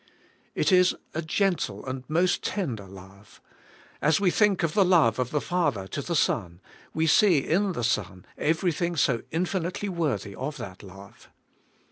It is a gentle and most tender love. As we think of the love of the Father to the Son, we see in the , Son everything so infinitely worthy of that love.